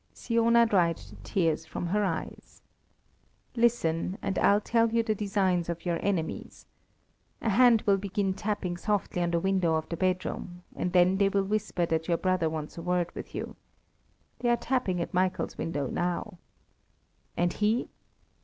Siona dried the tears from her eyes. "Listen, and I'll tell you the designs of your enemies. A hand will begin tapping softly on the window of the bedroom, and then they will whisper that your brother wants a word with you. They are tapping at Michael's window now." "And he?"